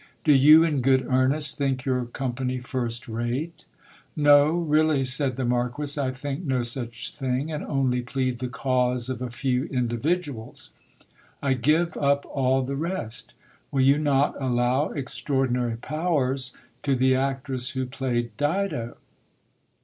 Do you, in good earnest, think your company first rate ? No, really, said the Marquis, I think no such thing, and only plead the cause of a few individuals. I give up all the rest Will you not allow extraordinary powers to the actress who played Dido